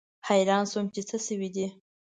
حیران شوم چې څه شوي دي.